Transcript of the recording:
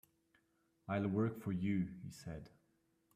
"I'll work for you," he said.